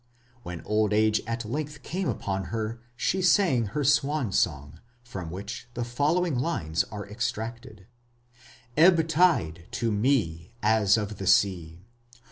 When old age at length came upon her she sang her "swan song", from which the following lines are extracted: Ebb tide to me as of the sea!